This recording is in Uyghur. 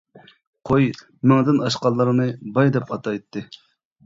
قوي مىڭدىن ئاشقانلارنى باي دەپ ئاتايتتى.